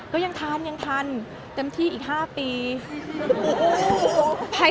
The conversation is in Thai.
ก็ยังทันเติมที่อีก๕ปี